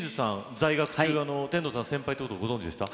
在学中は、天童さんが先輩というのはご存じでしたか。